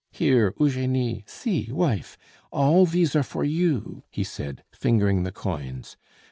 "Here, Eugenie! see, wife! all these are for you," he said, fingering the coins.